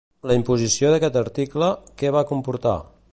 La imposició d'aquest article, què va comportar?